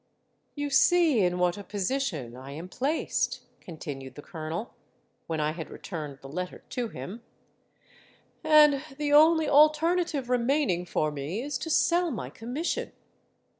'You see in what a position I am placed,' continued the colonel, when I had returned the letter to him; 'and the only alternative remaining for me is to sell my commission.